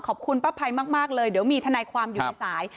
ป้าภัยมากเลยเดี๋ยวมีทนายความอยู่ในสาย